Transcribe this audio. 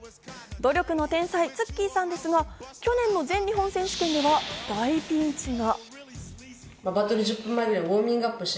努力の天才ＴＳＵＫＫＩさんですが、去年の全日本選手権では大ピンチが。